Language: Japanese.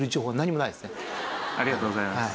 ありがとうございます。